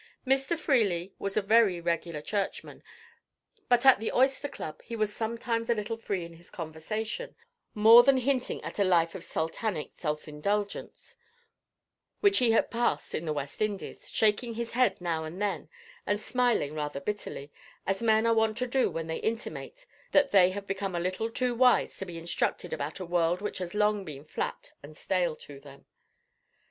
Mr. Freely was a very regular churchman, but at the Oyster Club he was sometimes a little free in his conversation, more than hinting at a life of Sultanic self indulgence which he had passed in the West Indies, shaking his head now and then and smiling rather bitterly, as men are wont to do when they intimate that they have become a little too wise to be instructed about a world which has long been flat and stale to them.